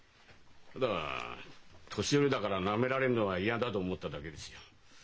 ただ「年寄りだからなめられるのは嫌だ」と思っただけですよ。